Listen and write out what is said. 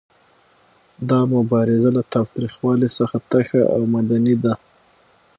دا مبارزه له تاوتریخوالي څخه تشه او مدني ده.